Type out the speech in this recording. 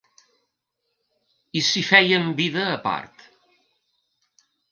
I si fèiem vida a part.